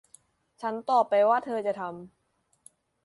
ฉันตอบไปว่าเธอจะทำ